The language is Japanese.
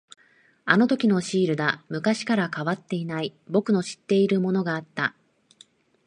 あのときのシールだ。昔から変わっていない、僕の知っているものがあった。